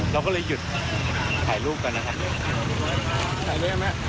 เราก็เลยหยุดถ่ายรูปกันนะครับ